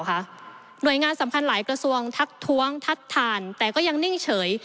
หน่วยงานสำคัญหลายกระทรวงทักท้วงทัดฐานแต่ก็ยังนิ่งเฉย